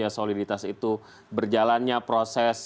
apakah didiskusi veneto